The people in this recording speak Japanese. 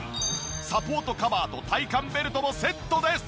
サポートカバーと体幹ベルトもセットです。